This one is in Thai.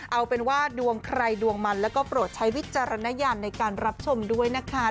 เอาเป็นว่าดวงใครดวงมันแล้วก็โปรดใช้วิจารณญาณในการรับชมด้วยนะคะ